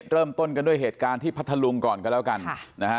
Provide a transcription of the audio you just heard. เริ่มต้นกันด้วยเหตุการณ์ที่พัทธลุงก่อนกันแล้วกันนะฮะ